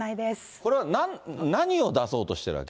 これは何を出そうとしてるわけ？